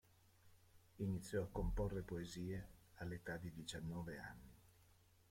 Iniziò a comporre poesie all'età di diciannove anni.